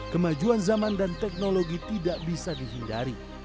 kemajuan zaman dan teknologi tidak bisa dihindari